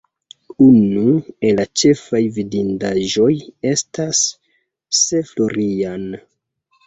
Unu el la ĉefaj vidindaĵoj estas St. Florian.